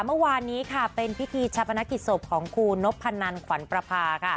เมื่อวานนี้ค่ะเป็นพิธีชาปนกิจศพของครูนพนันขวัญประพา